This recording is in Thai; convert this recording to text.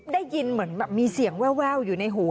ได้ยินเหมือนแบบมีเสียงแววอยู่ในหู